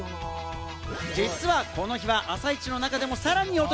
実はこの日は朝市の中でもさらにお得。